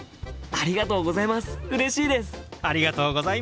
ありがとうございます。